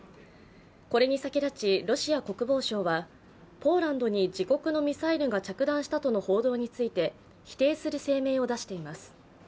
これに先立ちロシア国防省は、ポーランドに自国のミサイルが着弾したとの報道について、否定する声明を出しています。